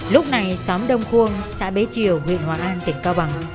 lúc này xóm đông khuông xã bế triều huyện hòa an tỉnh cao bằng